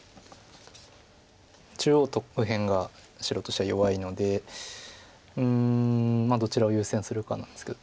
中央と右辺が白としては弱いのでうんどちらを優先するかなんですけど。